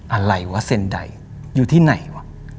อะไรวะเซ็นใดอยู่ที่ไหนวะ